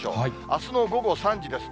あすの午後３時です。